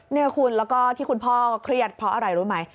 เนี่ยคุณแล้วก็ที่คุณพ่อเครียดเพราะอะไรรู้ไหม